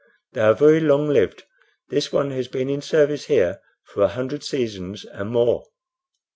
They are very long lived. This one has been in service here for a hundred seasons and more."